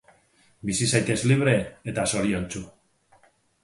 Bizi zaitez libre eta zoriontsu